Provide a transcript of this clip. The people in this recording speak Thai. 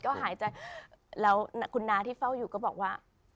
ก็หายใจแล้วคุณน้าที่เฝ้าอยู่ก็บอกว่า